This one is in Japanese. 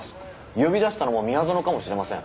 呼び出したのも宮園かもしれません。